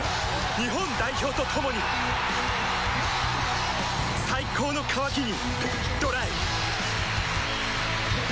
日本代表と共に最高の渇きにＤＲＹ